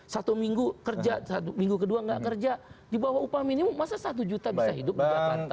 satu minggu kerja minggu kedua tidak kerja dibawah upah minimum masa rp satu juta bisa hidup di jakarta